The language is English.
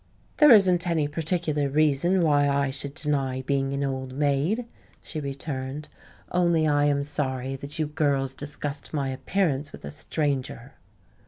"There isn't any particular reason why I should deny being an old maid," she returned. "Only I am sorry that you girls discussed my appearance with a stranger."